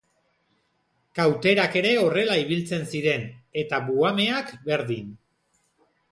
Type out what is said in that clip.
Kauterak ere horrela ibiltzen ziren, eta buhameak berdin!